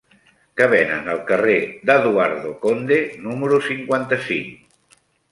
Què venen al carrer d'Eduardo Conde número cinquanta-cinc?